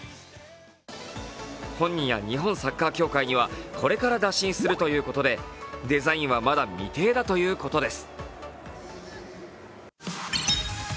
本人や日本サッカー協会にはこれから打診するということでデザインはまだ未定だということです。